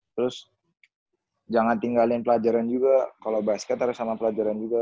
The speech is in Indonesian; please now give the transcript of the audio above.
terus jangan tinggalin pelajaran juga kalau basket harus sama pelajaran juga